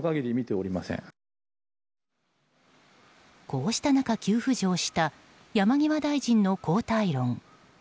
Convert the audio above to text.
こうした中、急浮上した山際大臣の交代論。